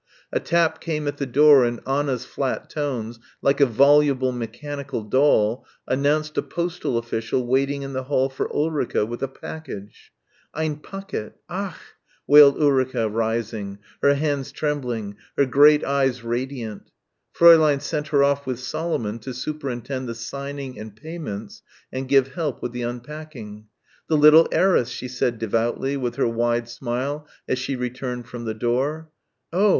A tap came at the door and Anna's flat tones, like a voluble mechanical doll, announced a postal official waiting in the hall for Ulrica with a package. "Ein Packet ... a a ach," wailed Ulrica, rising, her hands trembling, her great eyes radiant. Fräulein sent her off with Solomon to superintend the signing and payments and give help with the unpacking. "The little heiress," she said devoutly, with her wide smile as she returned from the door. "Oh